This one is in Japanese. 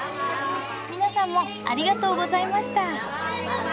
皆さんもありがとうございました。